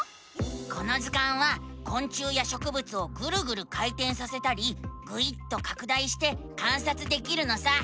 この図鑑はこん虫やしょくぶつをぐるぐる回てんさせたりぐいっとかく大して観察できるのさ！